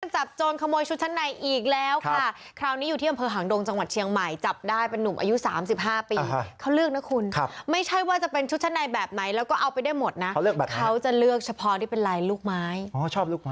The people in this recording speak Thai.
จับโจรขโมยชุดชั้นในอีกแล้วค่ะคราวนี้อยู่ที่อำเภอหางดงจังหวัดเชียงใหม่จับได้เป็นนุ่มอายุ๓๕ปีเขาเลือกนะคุณครับไม่ใช่ว่าจะเป็นชุดชั้นในแบบไหนแล้วก็เอาไปได้หมดนะเขาเลือกแบบเขาจะเลือกเฉพาะที่เป็นลายลูกไม้อ๋อชอบลูกไม้